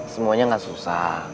semuanya gak susah